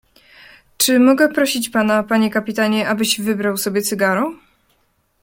"Czy mogę prosić pana, panie kapitanie, abyś wybrał sobie cygaro?"